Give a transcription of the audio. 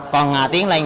còn tiến lành